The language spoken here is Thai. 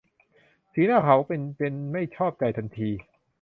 สีหน้าเค้าเปลี่ยนเป็นไม่ชอบใจทันที